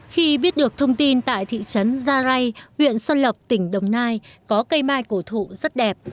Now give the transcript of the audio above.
khi biết được thông tin tại thị trấn gia rai huyện xuân lộc tỉnh đồng nai có cây mai cổ thụ rất đẹp